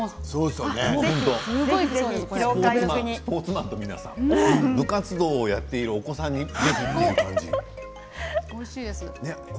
スポーツマンの皆さん部活をやっているお子さんにいい感じですね。